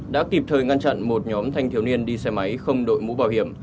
đã kịp thời ngăn chặn một nhóm thanh thiếu niên đi xe máy không đội mũ bảo hiểm